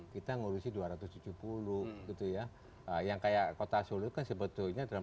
kota sulul doang kita ngurusi dua ratus tujuh puluh gitu ya yang kayak kota sulul kan sebetulnya dalam